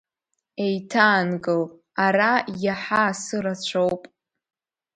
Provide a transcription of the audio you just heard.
Еиҭаанкыл, ара иаҳа асы рацәоуп.